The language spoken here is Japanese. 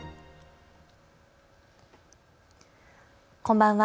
こんばんは。